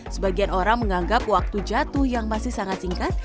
sebagian orang menganggap waktu jatuh yang masih sangat singkat